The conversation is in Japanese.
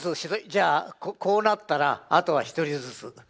じゃあこうなったらあとは１人ずつ。